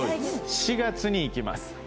４月に行きます。